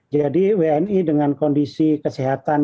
jadi wni dengan kondisi kesehatan